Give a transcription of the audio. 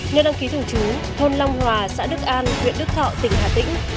nơi đăng ký thường trú thôn long hòa xã đức an huyện đức thọ tỉnh hà tĩnh